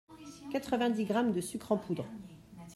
Quatre-vingt-dix grammes de sucre en poudre.